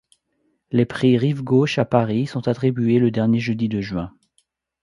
Les Prix Rive Gauche à Paris sont attribués le dernier jeudi de juin.